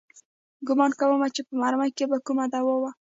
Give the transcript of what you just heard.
ګومان کوم چې په مرمۍ کښې به کومه دوا وه.